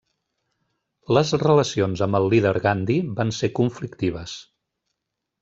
Les relacions amb el líder Gandhi van ser conflictives.